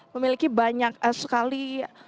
memiliki banyak sekali